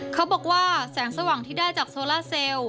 เขาบอกว่าแสงสว่างที่ได้จากโซล่าเซลล์